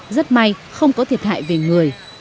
rất may không có thiệt hại về người